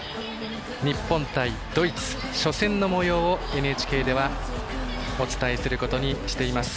日本対ドイツ、初戦のもようをＮＨＫではお伝えすることにしています。